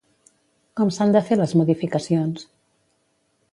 Com s'han de fer les modificacions?